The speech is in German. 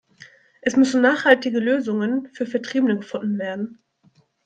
Es müssen nachhaltige Lösungen für Vertriebene gefunden werden.